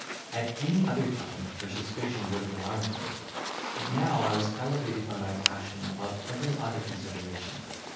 At any other time, her suspicion would have alarmed me: but now I was elevated by my passion above every other consideration.